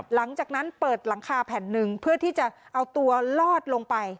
หลังจากนั้นเปิดหลังคาแผ่นหนึ่งเพื่อที่จะเอาตัวลอดลงไป